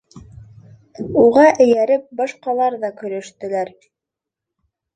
Уға эйәреп башҡалар ҙа көлөштөләр.